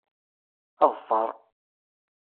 Ḍfeṛ!